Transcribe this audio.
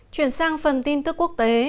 chuyển sang phần tin tức quốc tế